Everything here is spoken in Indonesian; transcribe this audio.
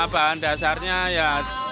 bahan dasarnya ya